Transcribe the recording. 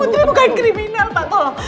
putri bukan kriminal pak tolong